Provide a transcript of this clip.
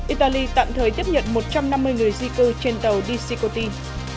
italy tạm thời tiếp nhận một trăm năm mươi người di cư trên tàu dc coteen